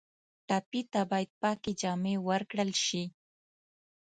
ټپي ته باید پاکې جامې ورکړل شي.